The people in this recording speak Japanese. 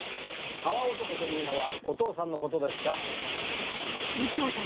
川男というのはお父さんの事ですか？